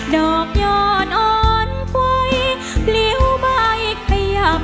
ดอกยอดอ่อนไหวเปลี่ยวใบขย่ำขย่อม